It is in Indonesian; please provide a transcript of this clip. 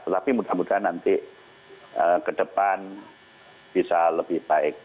tapi mudah mudahan nanti ke depan bisa lebih baik